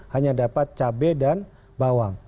hanya dapat cabai dan bawang